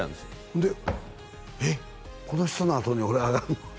で「えっこの人のあとに俺上がんの？」